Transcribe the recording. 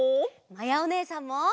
まやおねえさんも！